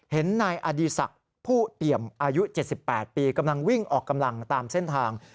นายอดีศักดิ์ผู้เปี่ยมอายุ๗๘ปีกำลังวิ่งออกกำลังตามเส้นทาง